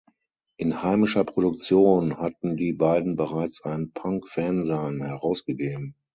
In heimischer Produktion hatten die beiden bereits ein Punk-Fanzine herausgegeben.